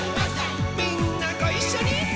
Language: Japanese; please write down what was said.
「みんなごいっしょにー！」